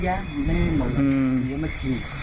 อย่างนี้มันก็เยอะไม่เหมือนเดี๋ยวมาฉีก